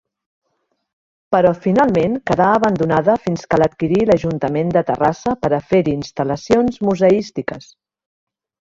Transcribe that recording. Però finalment quedà abandonada fins que l'adquirí l'Ajuntament de Terrassa per a fer-hi instal·lacions museístiques.